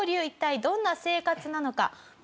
一体どんな生活なのか。